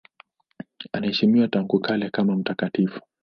Anaheshimiwa tangu kale kama mtakatifu.